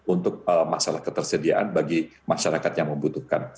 untuk masalah ketersediaan bagi masyarakat yang membutuhkan